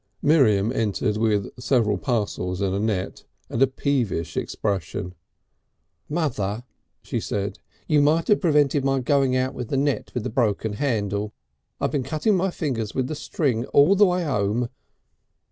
Miriam entered with several parcels in a net, and a peevish expression. "Mother," she said, "you might 'ave prevented my going out with the net with the broken handle. I've been cutting my fingers with the string all the way 'ome."